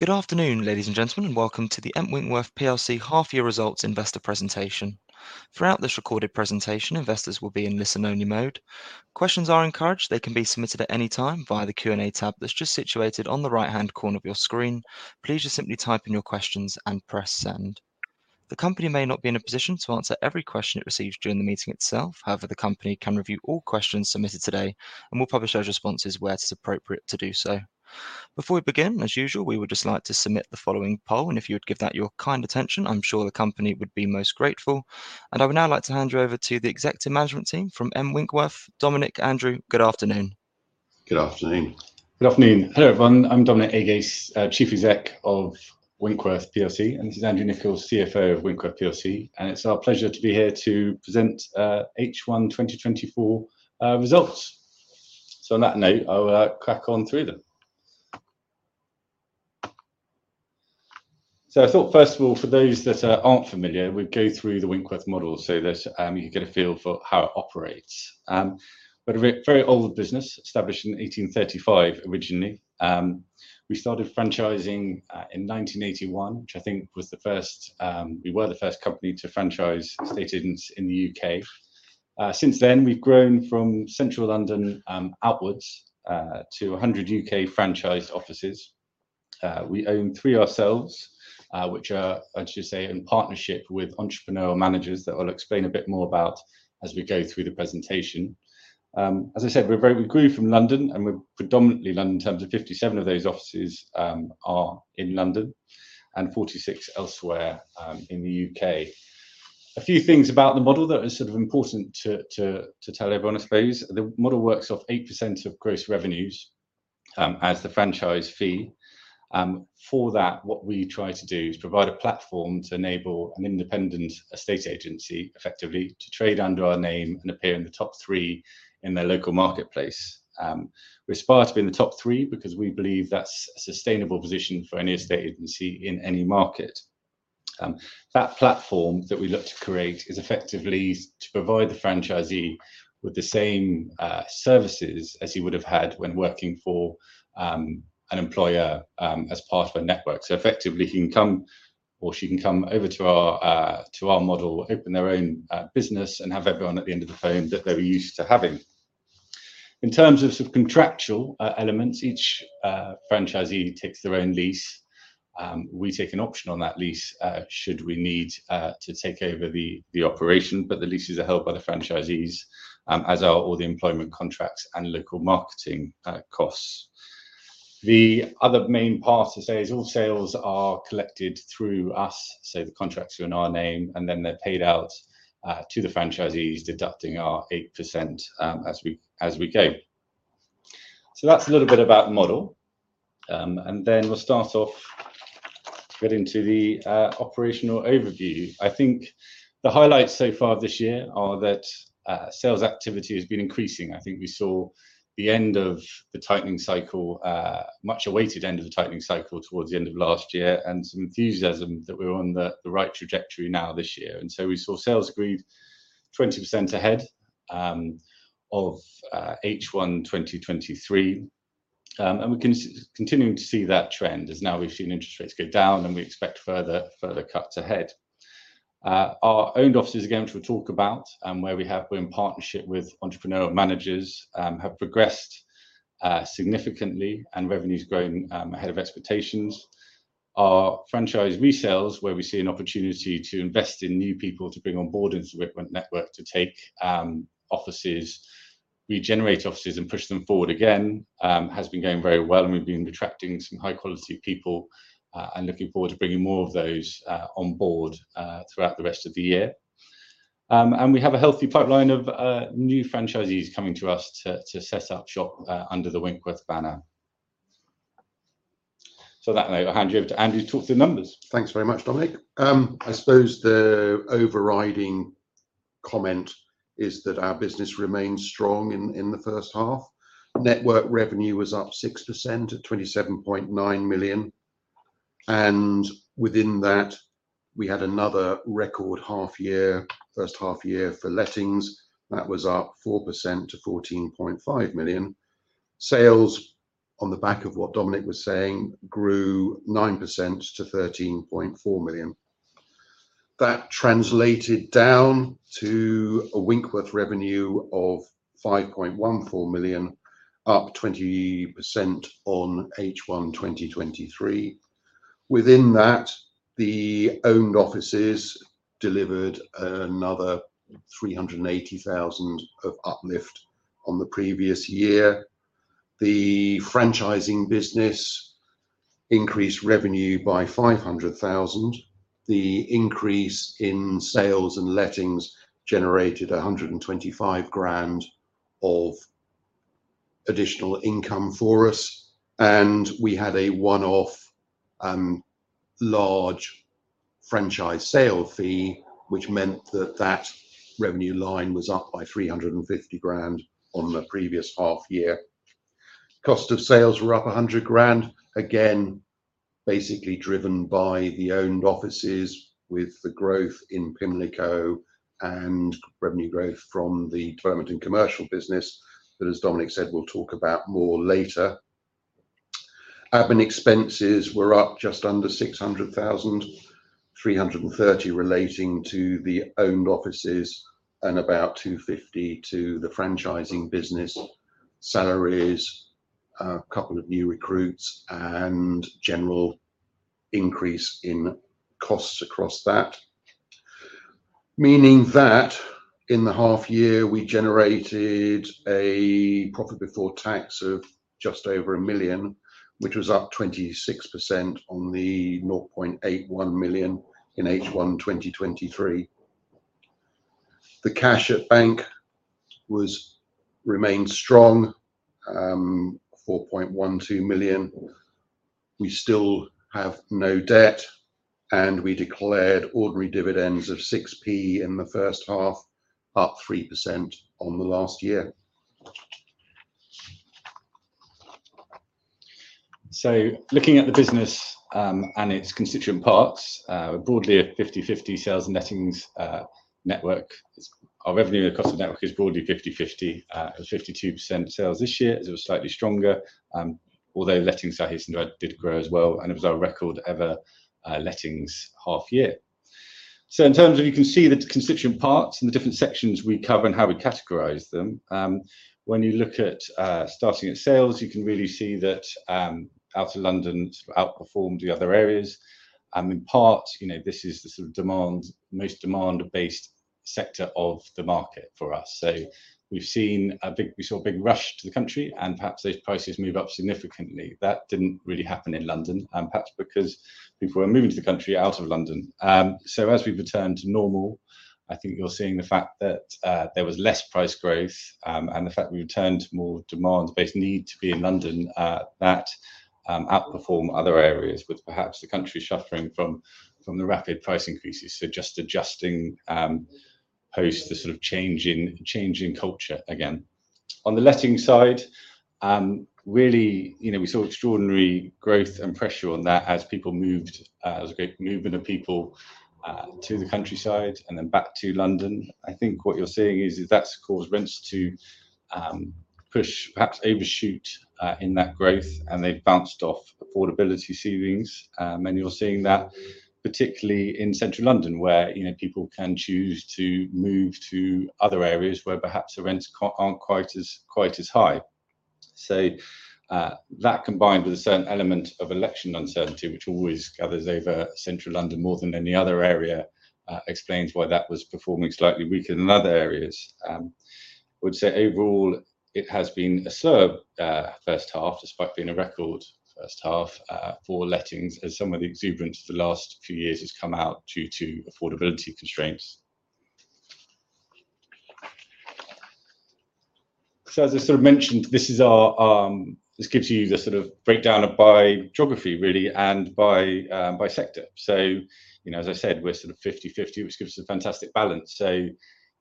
Good afternoon, ladies and gentlemen, and welcome to the M Winkworth PLC half-year results investor presentation. Throughout this recorded presentation, investors will be in listen-only mode. Questions are encouraged. They can be submitted at any time via the Q&A tab that's just situated on the right-hand corner of your screen. Please just simply type in your questions and press Send. The company may not be in a position to answer every question it receives during the meeting itself. However, the company can review all questions submitted today, and we'll publish those responses where it's appropriate to do so. Before we begin, as usual, we would just like to submit the following poll, and if you would give that your kind attention, I'm sure the company would be most grateful. I would now like to hand you over to the executive management team from M Winkworth. Dominic, Andrew, good afternoon. Good afternoon. Good afternoon. Hello, everyone. I'm Dominic Agace, Chief Exec. of M Winkworth PLC, and this is Andrew Nicol, CFO of M Winkworth PLC, and it's our pleasure to be here to present H1 2024 results, so on that note, I'll crack on through them, so I thought, first of all, for those that aren't familiar, we'd go through the Winkworth model so that you can get a feel for how it operates. We're a very old business, established in 1835, originally. We started franchising in 1981, which I think was the first. We were the first company to franchise estate agents in the UK. Since then, we've grown from Central London outwards to a hundred UK franchise offices. We own three ourselves, which are, I should say, in partnership with entrepreneurial managers that I'll explain a bit more about as we go through the presentation. As I said, we're very, we grew from London, and we're predominantly London in terms of 57 of those offices are in London and 46 elsewhere in the U.K. A few things about the model that are sort of important to tell everyone, I suppose. The model works off 8% of gross revenues as the franchise fee. For that, what we try to do is provide a platform to enable an independent estate agency, effectively, to trade under our name and appear in the top three in their local marketplace. We aspire to be in the top three because we believe that's a sustainable position for any estate agency in any market. That platform that we look to create is effectively to provide the franchisee with the same services as he would have had when working for an employer as part of a network, so effectively, he can come or she can come over to our model, open their own business, and have everyone at the end of the phone that they were used to having. In terms of sort of contractual elements, each franchisee takes their own lease. We take an option on that lease should we need to take over the operation, but the leases are held by the franchisees as are all the employment contracts and local marketing costs. The other main part to say is all sales are collected through us, so the contracts are in our name, and then they're paid out to the franchisees, deducting our 8%, as we go. So that's a little bit about the model, and then we'll start off to get into the operational overview. I think the highlights so far this year are that sales activity has been increasing. I think we saw the much-awaited end of the tightening cycle towards the end of last year, and some enthusiasm that we're on the right trajectory now this year, and so we saw sales agreed 20% ahead of H1 2023. We continuing to see that trend as now we've seen interest rates go down, and we expect further cuts ahead. Our owned offices, again, which we'll talk about, where we have been in partnership with entrepreneurial managers, have progressed significantly and revenues growing ahead of expectations. Our franchise resales, where we see an opportunity to invest in new people to bring on board into the Winkworth network to take offices, regenerate offices, and push them forward again, has been going very well, and we've been attracting some high-quality people and looking forward to bringing more of those on board throughout the rest of the year. We have a healthy pipeline of new franchisees coming to us to set up shop under the Winkworth banner. So on that note, I'll hand you over to Andrew to talk through the numbers. Thanks very much, Dominic. I suppose the overriding comment is that our business remains strong in the first half. Network revenue was up 6% to 27.9 million, and within that, we had another record half year, first half year for lettings. That was up 4% to 14.5 million. Sales, on the back of what Dominic was saying, grew 9% to 13.4 million. That translated down to a Winkworth revenue of 5.14 million, up 20% on H1 2023. Within that, the owned offices delivered another 380,000 of uplift on the previous year. The franchising business increased revenue by 500,000. The increase in sales and lettings generated 125,000 of additional income for us, and we had a one-off large franchise sale fee, which meant that that revenue line was up by 350,000 on the previous half year. Cost of sales were up 100,000, again, basically driven by the owned offices, with the growth in Pimlico and revenue growth from the development and commercial business, but as Dominic said, we'll talk about more later. Admin expenses were up just under 600,000, 330,000 relating to the owned offices and about 250,000 to the franchising business. Salaries, a couple of new recruits, and general increase in costs across that. Meaning that in the half year, we generated a profit before tax of just over 1 million, which was up 26% on the 0.81 million in H1 2023. The cash at bank was remained strong, 4.12 million. We still have no debt, and we declared ordinary dividends of 6p in the first half, up 3% on the last year. So looking at the business, and its constituent parts, broadly a 50/50 sales and lettings network. Our revenue across the network is broadly 50/50. It was 52% sales this year, as it was slightly stronger, although lettings did grow as well, and it was our record ever lettings half year. You can see the constituent parts and the different sections we cover and how we categorize them. When you look at, starting at sales, you can really see that, out of London outperformed the other areas. In part, you know, this is the sort of demand, most demand-based sector of the market for us. We saw a big rush to the country, and perhaps those prices move up significantly. That didn't really happen in London, and perhaps because people are moving to the country out of London. So as we've returned to normal, I think you're seeing the fact that there was less price growth, and the fact we returned to more demand-based need to be in London, that outperform other areas, with perhaps the country suffering from the rapid price increases. So just adjusting post the sort of change in culture again. On the letting side, really, you know, we saw extraordinary growth and pressure on that as people moved, there was a great movement of people to the countryside and then back to London. I think what you're seeing is that's caused rents to push, perhaps overshoot in that growth, and they've bounced off affordability ceilings. and you're seeing that particularly in Central London, where, you know, people can choose to move to other areas where perhaps the rents aren't quite as, quite as high. So, that combined with a certain element of election uncertainty, which always gathers over Central London more than any other area, explains why that was performing slightly weaker than other areas. I would say overall, it has been a slow, first half, despite being a record first half, for lettings, as some of the exuberance for the last few years has come out due to affordability constraints. So as I sort of mentioned, this is our... This gives you the sort of breakdown of by geography really, and by, by sector. So, you know, as I said, we're sort of 50/50, which gives us a fantastic balance. So, you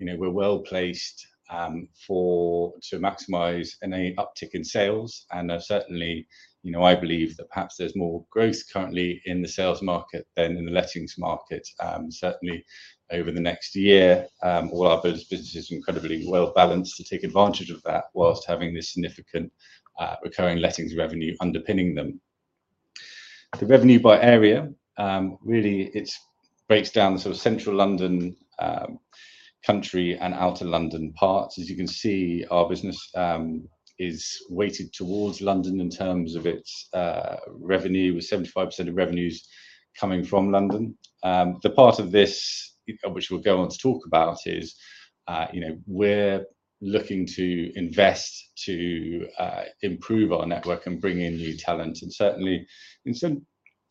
know, we're well-placed for to maximize any uptick in sales, and certainly, you know, I believe that perhaps there's more growth currently in the sales market than in the lettings market. Certainly over the next year, all our business is incredibly well-balanced to take advantage of that whilst having this significant recurring lettings revenue underpinning them. The revenue by area really it breaks down the sort of Central London, country and out of London parts. As you can see, our business is weighted towards London in terms of its revenue, with 75% of revenues coming from London. The part of this, which we'll go on to talk about, is you know, we're looking to invest to improve our network and bring in new talent. Certainly in some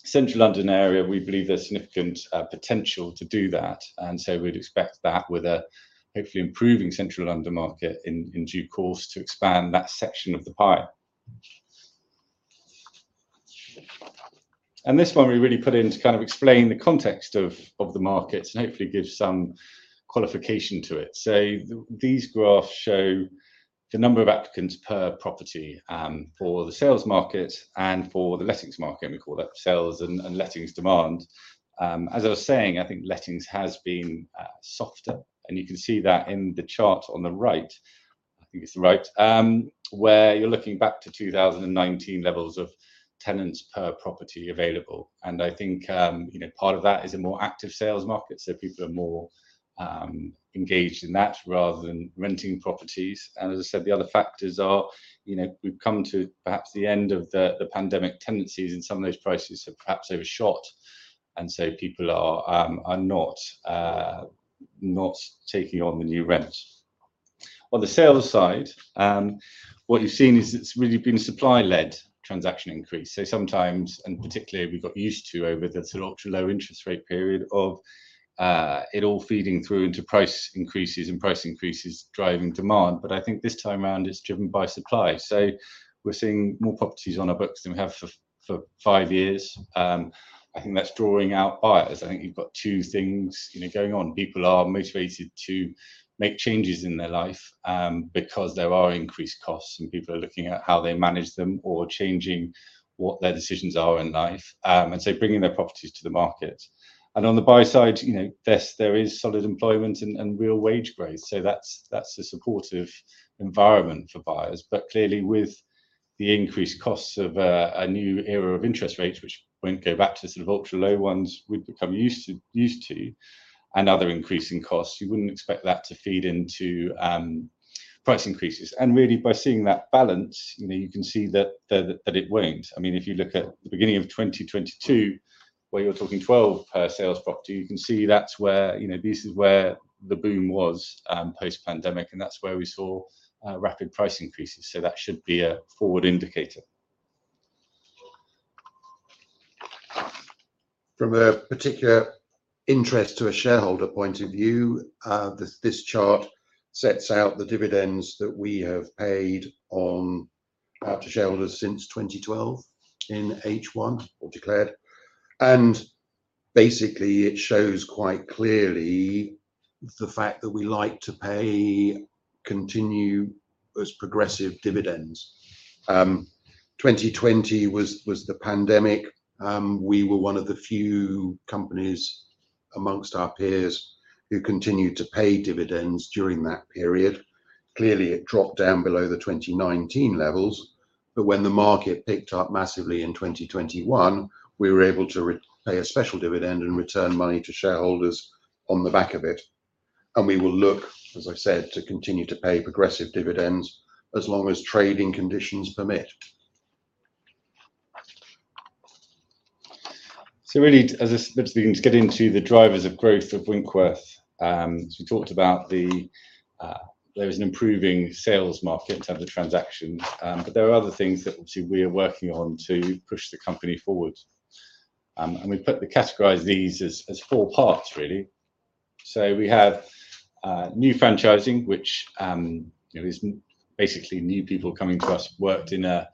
Central London area, we believe there's significant potential to do that, and so we'd expect that with a hopefully improving Central London market in due course to expand that section of the pie. This one we really put in to kind of explain the context of the markets and hopefully give some qualification to it. These graphs show the number of applicants per property for the sales market and for the lettings market. We call that sales and lettings demand. As I was saying, I think lettings has been softer, and you can see that in the chart on the right. I think it's the right, where you're looking back to 2019 levels of tenants per property available. And I think, you know, part of that is a more active sales market, so people are more engaged in that rather than renting properties, and as I said, the other factors are, you know, we've come to perhaps the end of the pandemic tendencies, and some of those prices are perhaps overshot, and so people are not taking on the new rent. On the sales side, what you've seen is it's really been supply-led transaction increase, so sometimes, and particularly, we got used to over the sort of ultra-low interest rate period of it all feeding through into price increases and price increases driving demand, but I think this time around, it's driven by supply, so we're seeing more properties on our books than we have for five years. I think that's drawing out buyers. I think you've got two things, you know, going on. People are motivated to make changes in their life because there are increased costs, and people are looking at how they manage them or changing what their decisions are in life, and so bringing their properties to the market, and on the buy side, you know, there's solid employment and real wage growth. So that's a supportive environment for buyers, but clearly, with the increased costs of a new era of interest rates, which won't go back to the sort of ultra-low ones we've become used to and other increasing costs, you wouldn't expect that to feed into price increases, and really, by seeing that balance, you know, you can see that it won't. I mean, if you look at the beginning of 2022, where you're talking 12 per sales property, you can see that's where, you know, this is where the boom was, post-pandemic, and that's where we saw rapid price increases. So that should be a forward indicator. From a particular interest to a shareholder point of view, this chart sets out the dividends that we have paid out to shareholders since 2012 in H1 or declared. Basically, it shows quite clearly the fact that we like to pay continuous progressive dividends. 2020 was the pandemic. We were one of the few companies amongst our peers who continued to pay dividends during that period. Clearly, it dropped down below the 2019 levels, but when the market picked up massively in 2021, we were able to repay a special dividend and return money to shareholders on the back of it, and we will look, as I said, to continue to pay progressive dividends as long as trading conditions permit. So really, let's get into the drivers of growth of Winkworth. So we talked about there is an improving sales market in terms of transactions, but there are other things that obviously we are working on to push the company forward. And we've categorized these as four parts, really. So we have new franchising, which you know is basically new people coming to us, worked in a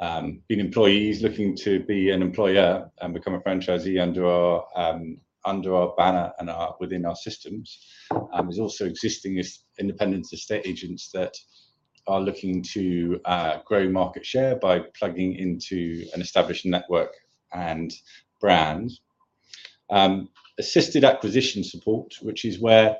been employees looking to be an employer and become a franchisee under our banner and are within our systems. There's also existing independent estate agents that are looking to grow market share by plugging into an established network and brand. Assisted acquisition support, which is where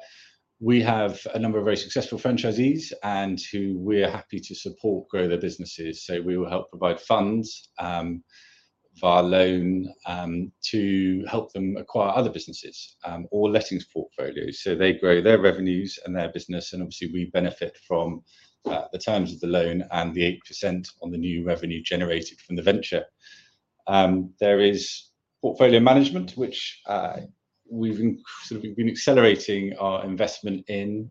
we have a number of very successful franchisees and who we're happy to support grow their businesses. So we will help provide funds, via loan, to help them acquire other businesses, or lettings portfolios, so they grow their revenues and their business, and obviously, we benefit from the terms of the loan and the 8% on the new revenue generated from the venture. There is portfolio management, which we've been accelerating our investment in.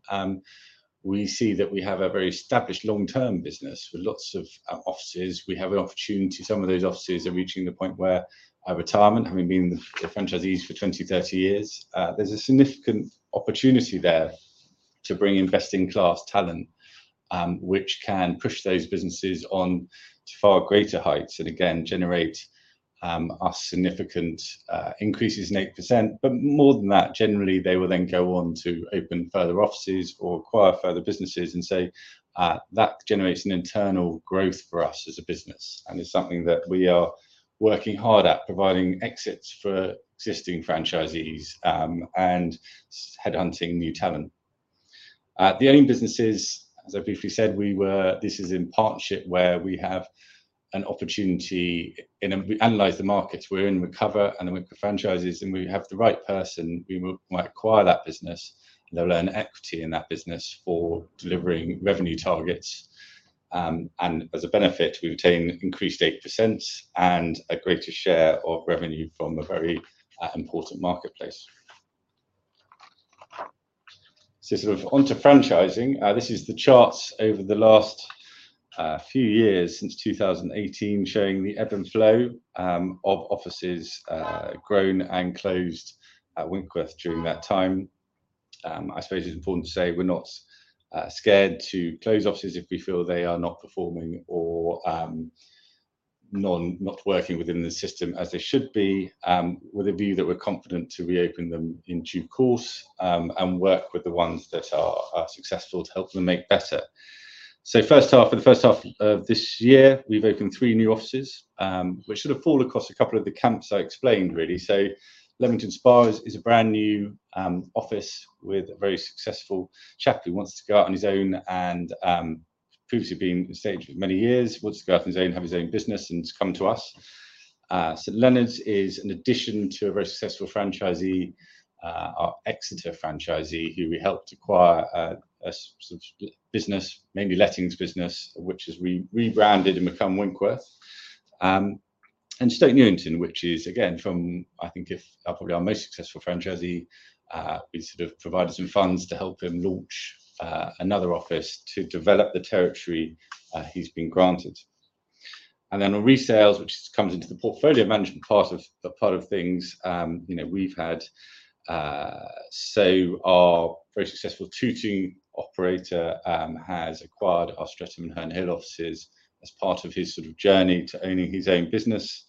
We see that we have a very established long-term business with lots of offices. We have an opportunity. Some of those offices are reaching the point where retirement, having been the franchisees for 20, 30 years. There's a significant opportunity there to bring investing class talent, which can push those businesses on to far greater heights and again, generate a significant increases in 8%. But more than that, generally, they will then go on to open further offices or acquire further businesses, and so, that generates an internal growth for us as a business, and it's something that we are working hard at, providing exits for existing franchisees, and headhunting new talent. The owning businesses, as I briefly said, this is in partnership where we have an opportunity, and then we analyze the markets we're in, we cover, and the Wink franchises, and we have the right person, we might acquire that business, and they'll earn equity in that business for delivering revenue targets. And as a benefit, we obtain increased 8% and a greater share of revenue from a very important marketplace. So sort of onto franchising. This is the charts over the last few years, since 2018, showing the ebb and flow of offices grown and closed at Winkworth during that time. I suppose it's important to say we're not scared to close offices if we feel they are not performing or not working within the system as they should be, with a view that we're confident to reopen them in due course, and work with the ones that are successful to help them make better. So first half, for the first half of this year, we've opened three new offices, which sort of fall across a couple of the camps I explained, really. Leamington Spa is a brand new office with a very successful chap who wants to go out on his own and previously been an estate agent for many years, wants to go out on his own, have his own business, and he's come to us. St. Leonards is an addition to a very successful franchisee, our Exeter franchisee, who we helped acquire a sort of business, mainly lettings business, which is rebranded and become Winkworth. Stoke Newington, which is again from, I think, probably our most successful franchisee. We sort of provided some funds to help him launch another office to develop the territory he's been granted. Then on resales, which comes into the portfolio management part of things, you know, we've had... So our very successful Tooting operator has acquired our Streatham and Herne Hill offices as part of his sort of journey to owning his own business.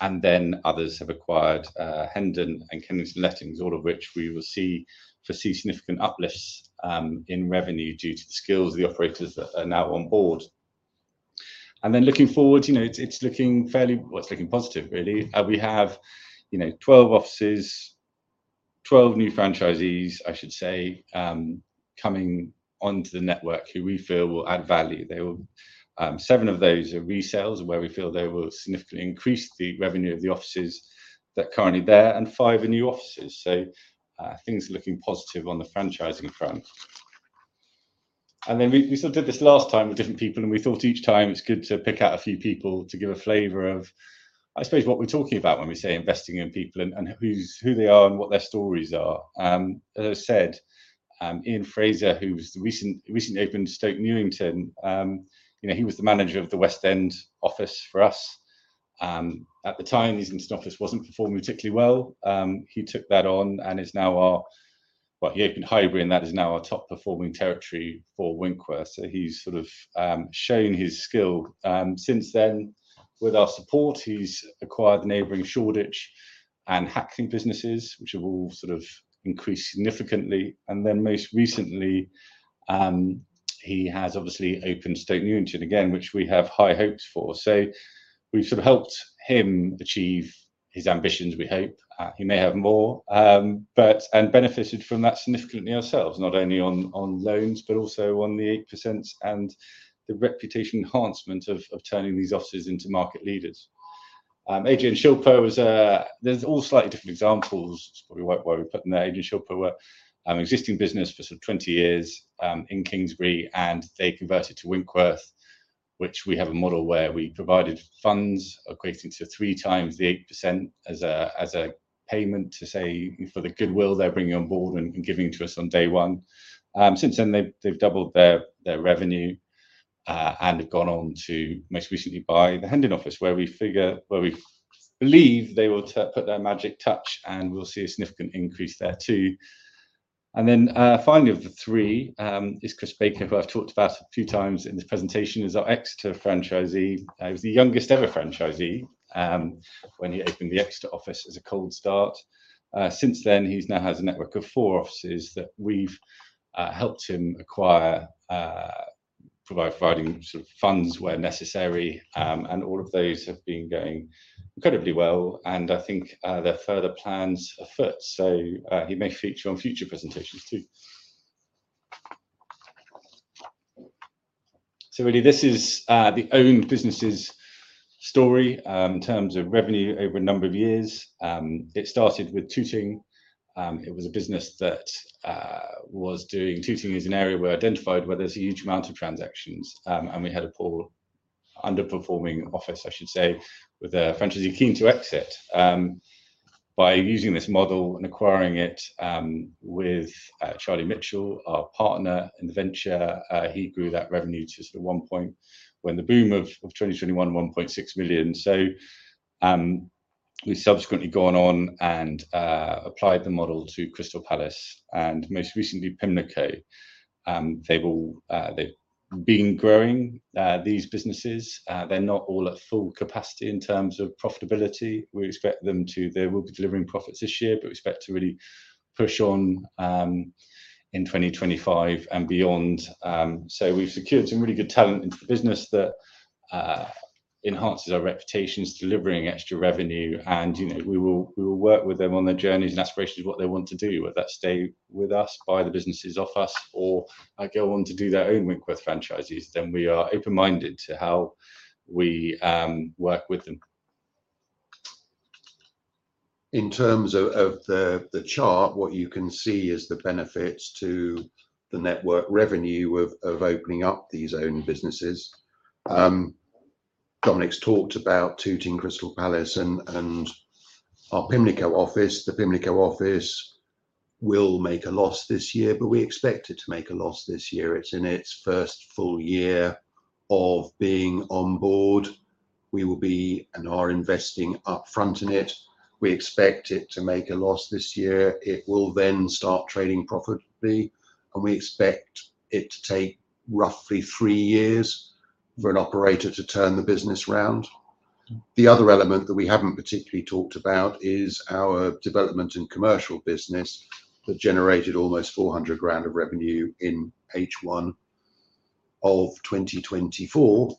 And then others have acquired Hendon and Kennington Lettings, all of which we will see, foresee significant uplifts in revenue due to the skills of the operators that are now on board. And then looking forward, you know, it's, it's looking fairly, well, it's looking positive, really. We have, you know, 12 offices, 12 new franchisees, I should say, coming onto the network who we feel will add value. They will, 7 of those are resales where we feel they will significantly increase the revenue of the offices that are currently there, and 5 are new offices. So, things are looking positive on the franchising front.... Then we sort of did this last time with different people, and we thought each time it's good to pick out a few people to give a flavor of, I suppose, what we're talking about when we say investing in people and who they are and what their stories are. As I said, Ian Fraser, who recently opened Stoke Newington, you know, he was the manager of the West End office for us. At the time, his office wasn't performing particularly well. He took that on and is now our... He opened Highbury, and that is now our top-performing territory for Winkworth. So he's sort of shown his skill. Since then, with our support, he's acquired the neighboring Shoreditch and Hackney businesses, which have all sort of increased significantly. And then most recently, he has obviously opened Stoke Newington again, which we have high hopes for. So we've sort of helped him achieve his ambitions, we hope. He may have more, but and benefited from that significantly ourselves, not only on loans, but also on the 8% and the reputation enhancement of turning these offices into market leaders. Adrian Chipa was. There's all slightly different examples. It's probably why we put him there. Adrian Chipa were existing business for sort of 20 years in Kingsbury, and they converted to Winkworth, which we have a model where we provided funds equating to three times the 8% as a payment to say for the goodwill they're bringing on board and giving to us on day one. Since then, they've doubled their revenue and have gone on to most recently buy the Hendon office, where we believe they will put their magic touch, and we'll see a significant increase there, too, and then, finally, of the three, is Chris Baker, who I've talked about a few times in this presentation, is our Exeter franchisee. He was the youngest-ever franchisee when he opened the Exeter office as a cold start. Since then, he's now has a network of four offices that we've helped him acquire, providing sort of funds where necessary. And all of those have been going incredibly well, and I think there are further plans afoot, so he may feature on future presentations, too. Really, this is the owned businesses' story in terms of revenue over a number of years. It started with Tooting. It was a business that was doing. Tooting is an area we identified where there's a huge amount of transactions, and we had a poor underperforming office, I should say, with a franchisee keen to exit. By using this model and acquiring it with Charlie Mitchell, our partner in the venture, he grew that revenue to at one point, when the boom of 2021, 1.6 million. We've subsequently gone on and applied the model to Crystal Palace and most recently, Pimlico. They've all, they've been growing these businesses. They're not all at full capacity in terms of profitability. We expect them to... They will be delivering profits this year, but we expect to really push on in 2025 and beyond. We've secured some really good talent into the business that enhances our reputations, delivering extra revenue, and, you know, we will work with them on their journeys and aspirations, what they want to do, whether that's stay with us, buy the businesses off us, or go on to do their own Winkworth franchises, then we are open-minded to how we work with them. In terms of the chart, what you can see is the benefits to the network revenue of opening up these owned businesses. Dominic's talked about Tooting, Crystal Palace, and our Pimlico office. The Pimlico office will make a loss this year, but we expect it to make a loss this year. It's in its first full year of being on board. We will be and are investing upfront in it. We expect it to make a loss this year. It will then start trading profitably, and we expect it to take roughly three years for an operator to turn the business round. The other element that we haven't particularly talked about is our development and commercial business that generated almost 400,000 of revenue in H1 of 2024,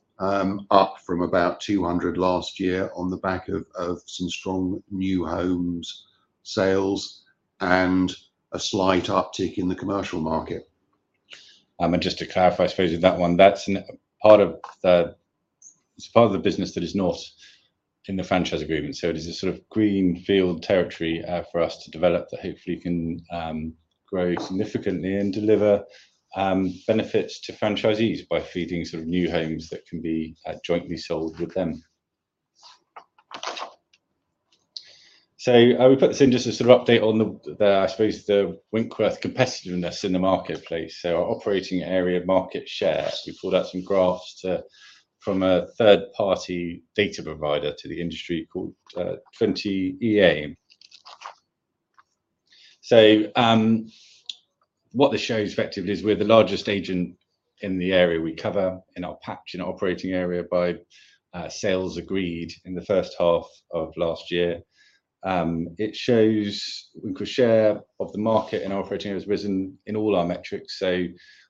up from about 200,000 last year on the back of some strong new homes sales and a slight uptick in the commercial market. And just to clarify, I suppose, with that one, that's part of the, it's part of the business that is not in the franchise agreement, so it is a sort of greenfield territory for us to develop that hopefully can grow significantly and deliver benefits to franchisees by feeding sort of new homes that can be jointly sold with them. So I would put this in just a sort of update on the, I suppose, the Winkworth competitiveness in the marketplace. So our operating area market share, we pulled out some graphs from a third-party data provider to the industry called TwentyEA. So what this shows effectively is we're the largest agent in the area we cover in our patch, in our operating area by sales agreed in the first half of last year. It shows Winkworth share of the market, and our operating has risen in all our metrics. So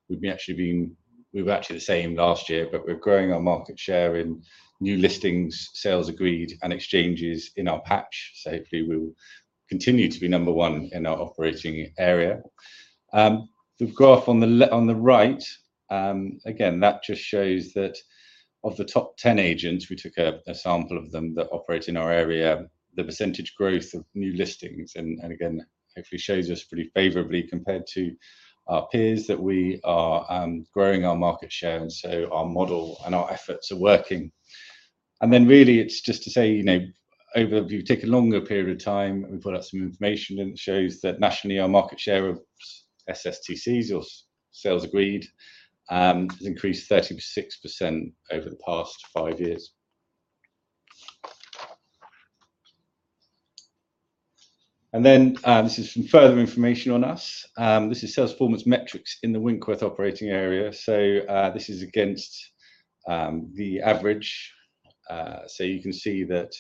we've actually been, we were actually the same last year, but we're growing our market share in new listings, sales agreed, and exchanges in our patch. So hopefully, we will continue to be number one in our operating area. The graph on the right, again, that just shows that of the top 10 agents, we took a sample of them that operate in our area, the percentage growth of new listings, and again, hopefully shows us pretty favorably compared to our peers, that we are growing our market share, and so our model and our efforts are working. And then really it's just to say, you know, over, if you take a longer period of time, and we've put out some information, and it shows that nationally, our market share of SSTCs or sales agreed has increased 36% over the past five years. And then, this is some further information on us. This is sales performance metrics in the Winkworth operating area. So, this is against, the average. So you can see that,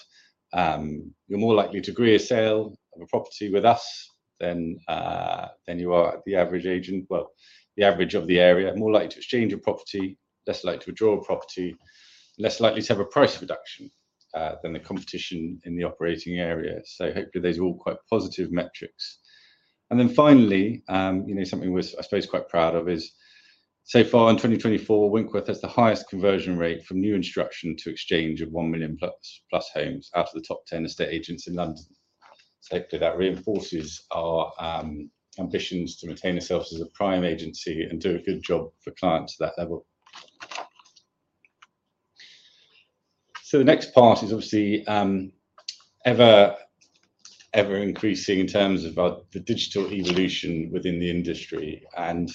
you're more likely to agree a sale of a property with us than, than you are at the average agent. Well, the average of the area, more likely to exchange a property, less likely to withdraw a property, less likely to have a price reduction, than the competition in the operating area. So hopefully, those are all quite positive metrics. Then finally, you know, something we're, I suppose, quite proud of is so far in 2024, Winkworth has the highest conversion rate from new instruction to exchange of one million plus homes out of the top 10 estate agents in London. So hopefully, that reinforces our ambitions to maintain ourselves as a prime agency and do a good job for clients at that level. So the next part is obviously ever-increasing in terms of the digital evolution within the industry. And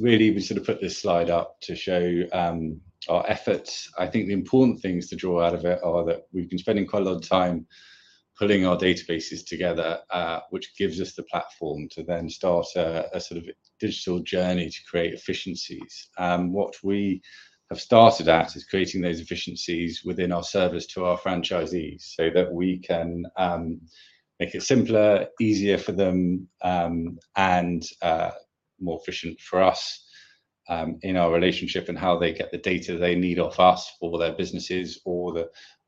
really, we sort of put this slide up to show our efforts. I think the important things to draw out of it are that we've been spending quite a lot of time pulling our databases together, which gives us the platform to then start a sort of digital journey to create efficiencies. What we have started at is creating those efficiencies within our service to our franchisees so that we can make it simpler, easier for them, and more efficient for us in our relationship and how they get the data they need off us for their businesses or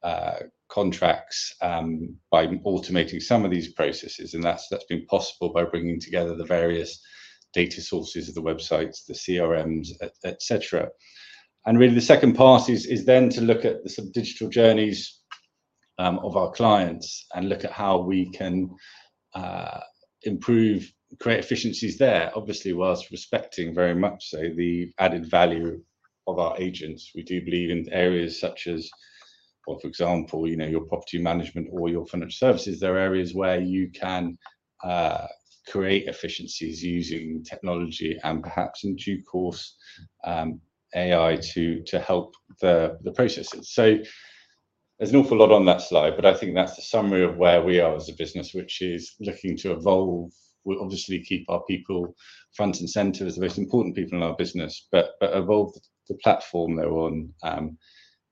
the contracts by automating some of these processes. That's been possible by bringing together the various data sources of the websites, the CRMs, et cetera. Really, the second part is then to look at the sort of digital journeys of our clients and look at how we can improve, create efficiencies there, obviously, while respecting very much so the added value of our agents. We do believe in areas such as, well, for example, you know, your property management or your financial services. There are areas where you can create efficiencies using technology and perhaps in due course AI to help the processes. So there's an awful lot on that slide, but I think that's the summary of where we are as a business which is looking to evolve. We obviously keep our people front and center as the most important people in our business, but evolve the platform they're on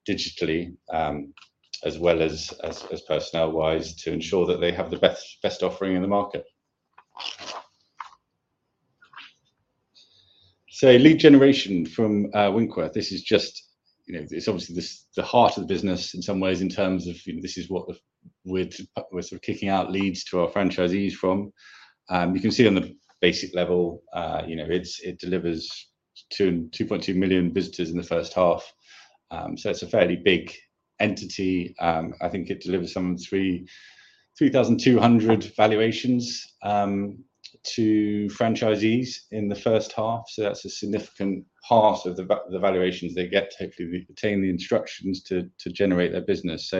digitally as well as personnel-wise, to ensure that they have the best offering in the market. So lead generation from Winkworth, this is just, you know, it's obviously this, the heart of the business in some ways in terms of, you know, this is what we're sort of kicking out leads to our franchisees from. You can see on the basic level, you know, it delivers 2.2 million visitors in the first half. So it's a fairly big entity. I think it delivers some 3,200 valuations to franchisees in the first half, so that's a significant part of the valuations they get to hopefully retain the instructions to generate their business.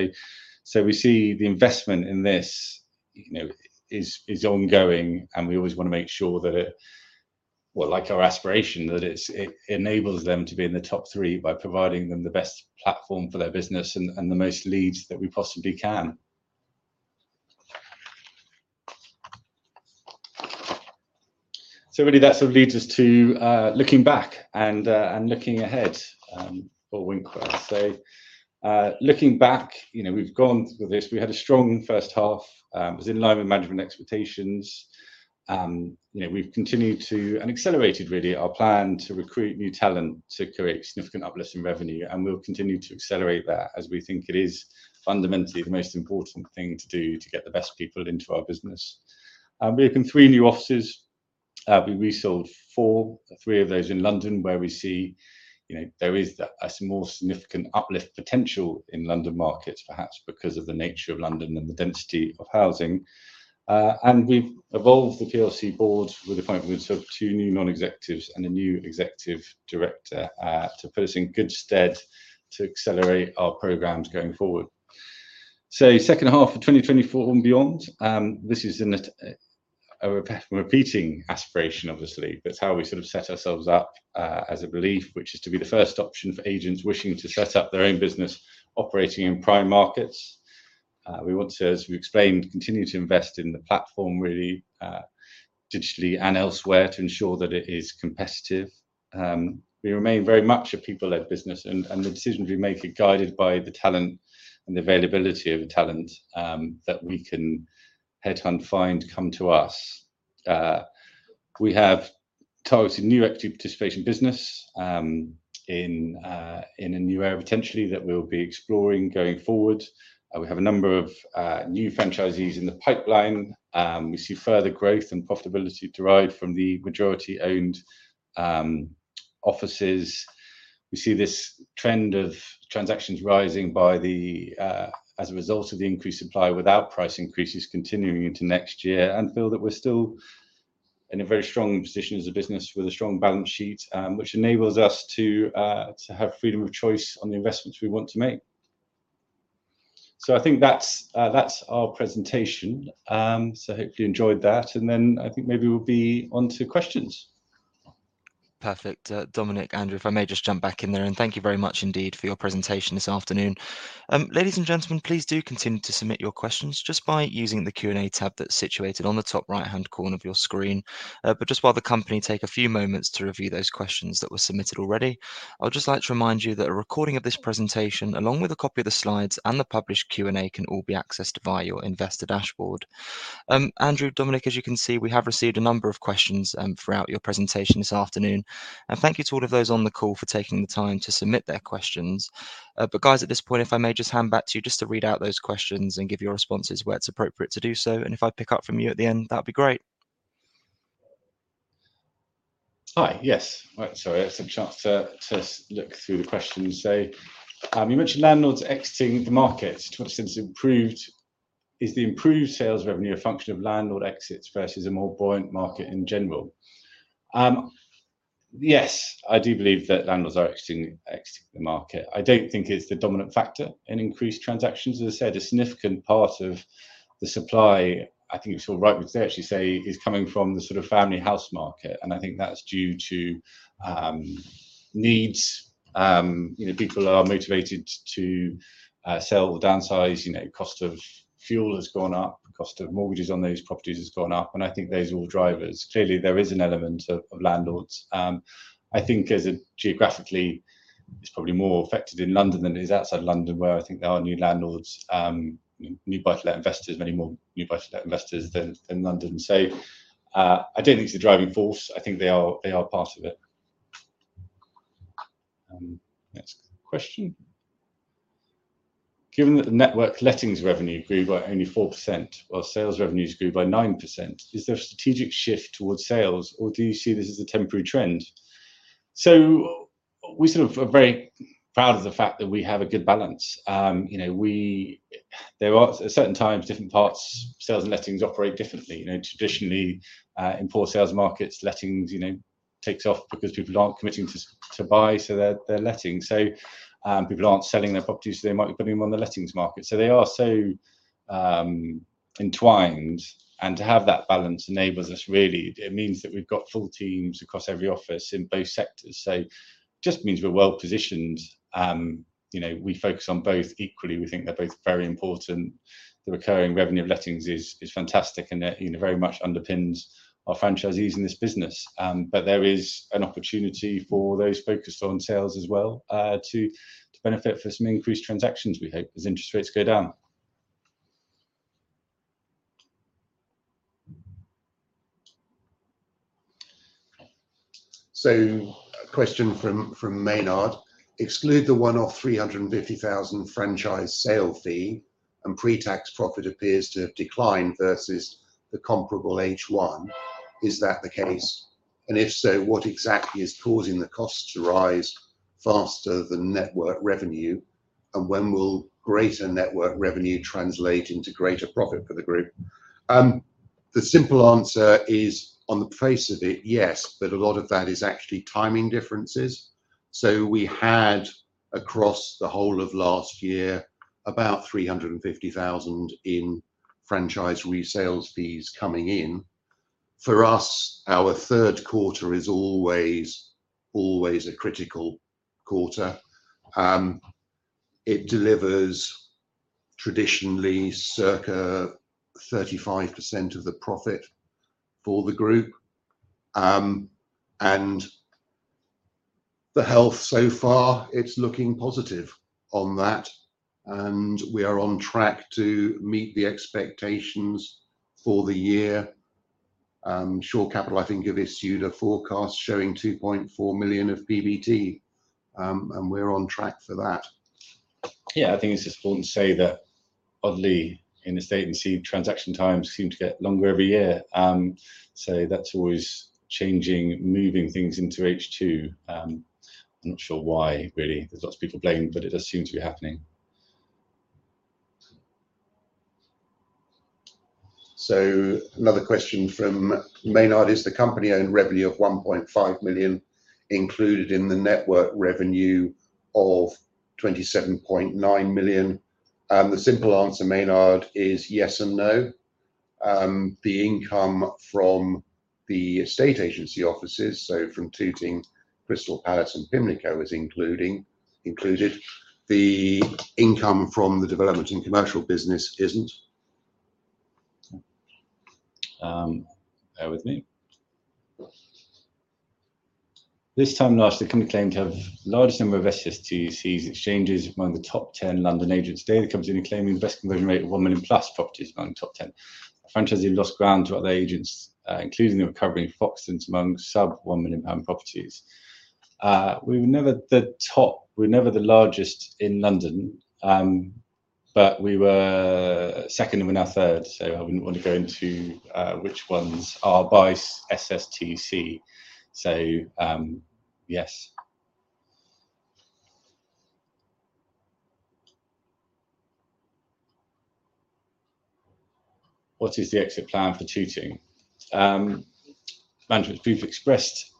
So we see the investment in this, you know, is ongoing, and we always want to make sure that it, well, like our aspiration, that it enables them to be in the top three by providing them the best platform for their business and the most leads that we possibly can. So really, that sort of leads us to looking back and looking ahead for Winkworth. So, looking back, you know, we've gone with this. We had a strong first half, it was in line with management expectations. You know, we've continued to, and accelerated really our plan to recruit new talent to create significant uplift in revenue, and we'll continue to accelerate that as we think it is fundamentally the most important thing to do to get the best people into our business. And we opened three new offices. We resold four, three of those in London, where we see, you know, there is a more significant uplift potential in London markets, perhaps because of the nature of London and the density of housing. And we've evolved the PLC board with the appointment of two new non-executives and a new executive director, to put us in good stead to accelerate our programs going forward. Second half of 2024 and beyond, this is a repeating aspiration, obviously, but it's how we sort of set ourselves up, as we believe, which is to be the first option for agents wishing to set up their own business, operating in prime markets. We want to, as we explained, continue to invest in the platform really, digitally and elsewhere, to ensure that it is competitive. We remain very much a people-led business, and the decisions we make are guided by the talent and the availability of talent, that we can headhunt, find, come to us. We have targeted new equity participation business, in a new area, potentially, that we'll be exploring going forward. We have a number of new franchisees in the pipeline. We see further growth and profitability derived from the majority-owned offices. We see this trend of transactions rising as a result of the increased supply without price increases continuing into next year, and feel that we're still in a very strong position as a business with a strong balance sheet, which enables us to have freedom of choice on the investments we want to make. I think that's our presentation. Hopefully you enjoyed that, and then I think maybe we'll be on to questions. Perfect. Dominic, Andrew, if I may just jump back in there, and thank you very much indeed for your presentation this afternoon. Ladies and gentlemen, please do continue to submit your questions just by using the Q&A tab that's situated on the top right-hand corner of your screen, but just while the company take a few moments to review those questions that were submitted already, I would just like to remind you that a recording of this presentation, along with a copy of the slides and the published Q&A, can all be accessed via your investor dashboard. Andrew, Dominic, as you can see, we have received a number of questions throughout your presentation this afternoon, and thank you to all of those on the call for taking the time to submit their questions. But guys, at this point, if I may just hand back to you just to read out those questions and give your responses where it's appropriate to do so, and if I pick up from you at the end, that'd be great. Hi. Yes. Right, sorry, I had some chance to look through the questions. So, you mentioned landlords exiting the market, which since improved. Is the improved sales revenue a function of landlord exits versus a more buoyant market in general? Yes, I do believe that landlords are exiting the market. I don't think it's the dominant factor in increased transactions. As I said, a significant part of the supply, I think it's all right would actually say, is coming from the sort of family house market, and I think that's due to needs. You know, people are motivated to sell or downsize. You know, cost of fuel has gone up, the cost of mortgages on those properties has gone up, and I think those are all drivers. Clearly, there is an element of landlords. I think as a geographically, it's probably more affected in London than it is outside London, where I think there are new landlords, new buy-to-let investors, many more new buy-to-let investors than in London. So, I don't think it's the driving force, I think they are part of it. Next question. Given that the network lettings revenue grew by only 4%, while sales revenues grew by 9%, is there a strategic shift towards sales, or do you see this as a temporary trend? So we sort of are very proud of the fact that we have a good balance. You know, there are at certain times, different parts, sales and lettings operate differently. You know, traditionally, in poor sales markets, lettings takes off because people aren't committing to buy, so they're letting. So, people aren't selling their properties, so they might be putting them on the lettings market. So they are so entwined, and to have that balance enables us really. It means that we've got full teams across every office in both sectors, so just means we're well positioned. You know, we focus on both equally, we think they're both very important. The recurring revenue of lettings is fantastic and, you know, very much underpins our franchisees in this business. But there is an opportunity for those focused on sales as well, to benefit from some increased transactions, we hope, as interest rates go down. So a question from Maynard. Exclude the one-off 350,000 franchise sale fee, and pre-tax profit appears to have declined versus the comparable H1. Is that the case? And if so, what exactly is causing the costs to rise faster than network revenue? And when will greater network revenue translate into greater profit for the group? The simple answer is, on the face of it, yes, but a lot of that is actually timing differences. So we had, across the whole of last year, about 350,000 in franchise resales fees coming in. For us, our third quarter is always a critical quarter. It delivers traditionally circa 35% of the profit for the group. And the health so far, it's looking positive on that, and we are on track to meet the expectations for the year. Shore Capital, I think, have issued a forecast showing 2.4 million of PBT, and we're on track for that. Yeah, I think it's just important to say that oddly, in estate agency, transaction times seem to get longer every year. So that's always changing, moving things into H2. I'm not sure why really. There's lots of people to blame, but it just seems to be happening. Another question from Maynard: Is the company-owned revenue of 1.5 million included in the network revenue of 27.9 million? And the simple answer, Maynard, is yes and no. The income from the estate agency offices, so from Tooting, Crystal Palace and Pimlico, is included. The income from the development and commercial business isn't. Bear with me. This time last, the company claimed to have largest number of SSTCs exchanges among the top 10 London agents. Today, the company claim instruction rate of 1 million-plus properties among the top 10. Franchisee lost ground to other agents, including the recovering Foxtons among sub-GBP 1 million properties. We were never the top, we're never the largest in London, but we were second and we are now third, so I wouldn't want to go into which ones are by SSTC. So, yes. What is the exit plan for Tooting? Management, we've expressed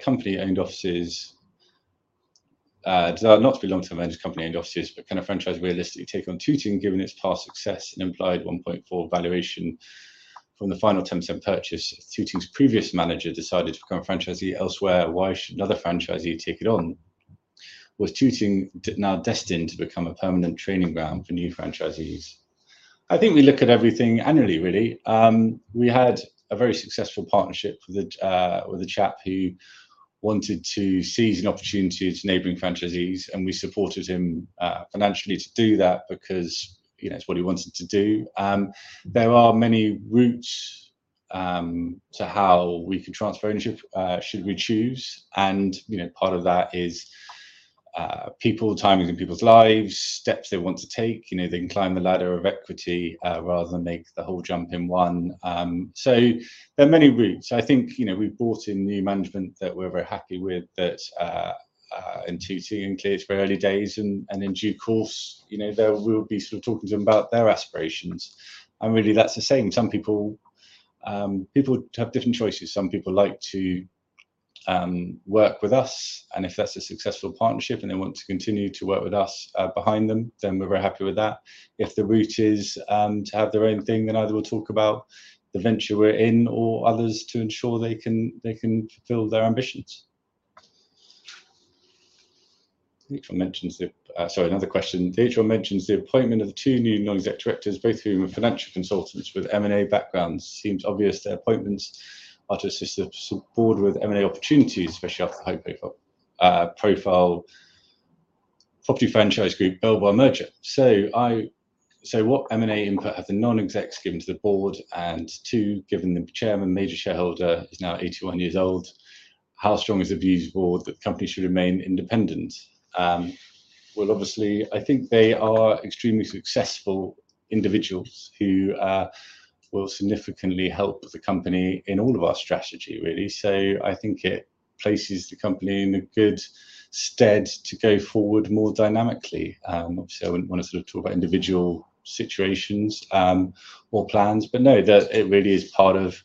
company-owned offices not for long term managed company-owned offices, but can a franchise realistically take on Tooting, given its past success and implied 1.4 valuation from the final term purchase? Tooting's previous manager decided to become a franchisee elsewhere. Why should another franchisee take it on? Was Tooting now destined to become a permanent training ground for new franchisees? I think we look at everything annually, really. We had a very successful partnership with a chap who wanted to seize an opportunity to neighboring franchisees, and we supported him financially to do that because, you know, it's what he wanted to do. There are many routes to how we can transfer ownership should we choose, and, you know, part of that is people, timings in people's lives, steps they want to take. You know, they can climb the ladder of equity rather than make the whole jump in one. So there are many routes. I think, you know, we've brought in new management that we're very happy with that in Tooting and clearly it's early days, and in due course, you know, there we'll be sort of talking to them about their aspirations. Really, that's the same. Some people have different choices. Some people like to work with us, and if that's a successful partnership and they want to continue to work with us behind them, then we're very happy with that. If the route is to have their own thing, then either we'll talk about the venture we're in or others to ensure they can fulfill their ambitions. Nigel mentions the appointment of the two new non-exec directors, both of whom are financial consultants with M&A backgrounds. Seems obvious their appointments are to assist the board with M&A opportunities, especially after the high profile Property Franchise Group Belvoir merger. So what M&A input have the non-execs given to the board? And two, given the chairman, major shareholder is now 81 years old, how strong is the board's view that company should remain independent? Well, obviously, I think they are extremely successful individuals who will significantly help the company in all of our strategy, really. So I think it places the company in good stead to go forward more dynamically. Obviously, I wouldn't want to sort of talk about individual situations, or plans, but no, that it really is part of,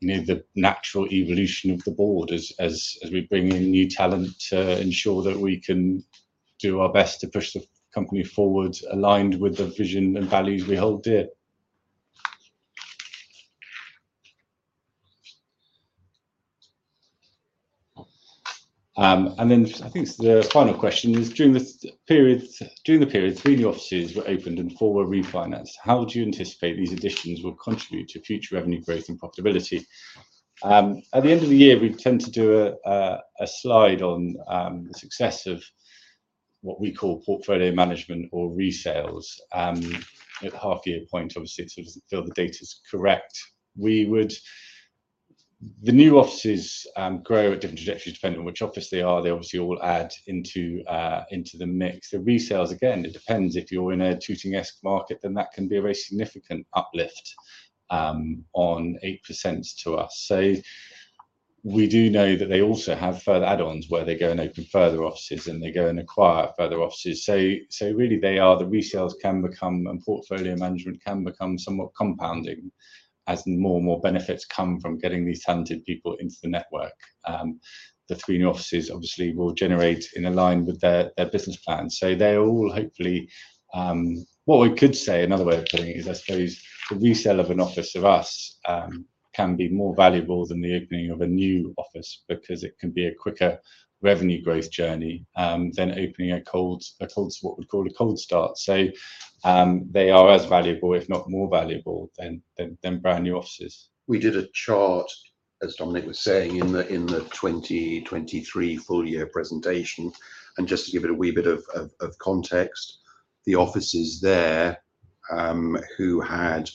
you know, the natural evolution of the board as we bring in new talent to ensure that we can do our best to push the company forward, aligned with the vision and values we hold dear. And then I think the final question is, "During this period, three new offices were opened and four were refinanced. How would you anticipate these additions will contribute to future revenue growth and profitability?" At the end of the year, we tend to do a slide on the success of what we call portfolio management or resales. At the half year point, obviously, to fill the data is correct, we would... The new offices grow at different trajectory, depending on which office they are. They obviously all add into the mix. The resales, again, it depends. If you're in a Tooting-esque market, then that can be a very significant uplift on 8% to us. So we do know that they also have further add-ons, where they go and open further offices, and they go and acquire further offices. So really they are, the resales can become, and portfolio management can become somewhat compounding as more and more benefits come from getting these talented people into the network. The three new offices obviously will generate in line with their business plan, so they all hopefully... What we could say, another way of putting it is, I suppose the resale of an office of us can be more valuable than the opening of a new office because it can be a quicker revenue growth journey than opening a cold what we call a cold start. So, they are as valuable, if not more valuable, than brand new offices. We did a chart, as Dominic was saying, in the 2023 full year presentation. And just to give it a wee bit of context, the offices there who had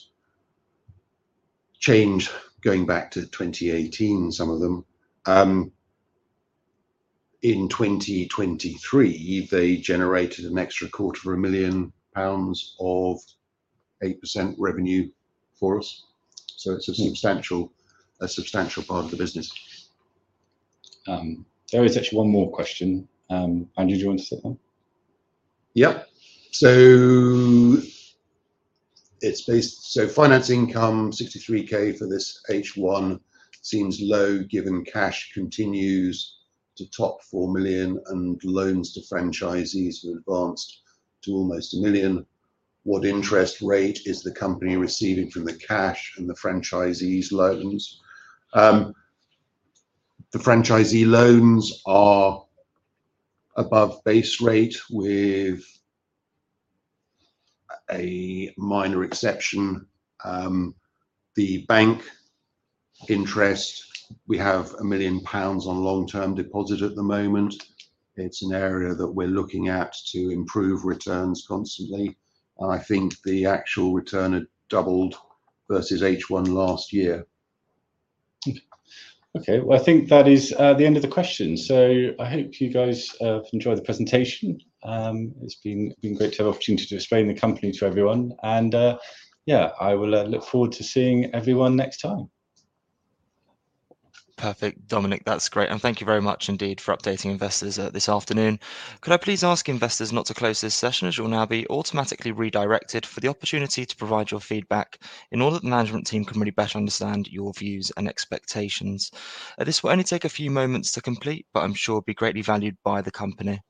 change going back to 2018, some of them in 2023, they generated an extra 250,000 pounds of 8% revenue for us. So it's a substantial- Mm. A substantial part of the business. There is actually one more question. Andrew, do you want to take that one? Yep. So it's based, "So finance income, 63K for this H1 seems low, given cash continues to top 4 million, and loans to franchisees have advanced to almost 1 million. What interest rate is the company receiving from the cash and the franchisees' loans?" The franchisee loans are above base rate, with a minor exception. The bank interest, we have 1 million pounds on long-term deposit at the moment. It's an area that we're looking at to improve returns constantly, and I think the actual return had doubled versus H1 last year. Okay. Well, I think that is the end of the question. So I hope you guys enjoyed the presentation. It's been great to have the opportunity to explain the company to everyone, and yeah, I will look forward to seeing everyone next time. Perfect, Dominic. That's great, and thank you very much indeed for updating investors this afternoon. Could I please ask investors not to close this session, as you will now be automatically redirected for the opportunity to provide your feedback in order that the management team can really better understand your views and expectations. This will only take a few moments to complete, but I'm sure be greatly valued by the company.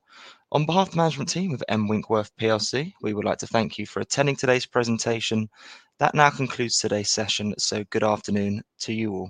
On behalf of the management team with M Winkworth PLC, we would like to thank you for attending today's presentation. That now concludes today's session, so good afternoon to you all.